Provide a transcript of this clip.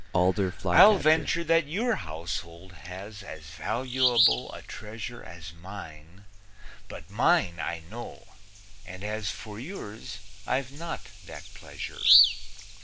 I'll venture that your household has As valuable a treasure As mine, but mine I know, and as For yours, I've not that pleasure.